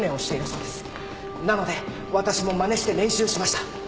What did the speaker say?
なので私もまねして練習しました。